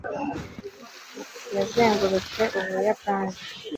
yazengurutse ubuyapani